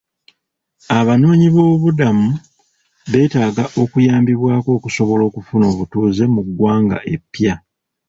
Abanoonyi b'obubudami beetaaga okuyambibwako okusobola okufuna obutuuze mu ggwanga eppya.